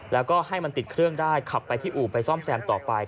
แล้วก็ให้มันติดเครื่องได้ขับไปที่อู่ไปซ่อมแซมต่อไป